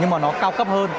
nhưng mà nó cao cấp hơn